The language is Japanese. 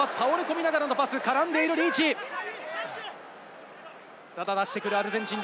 オフロードパス、倒れ込みながらのパス、絡んでいるリーチ。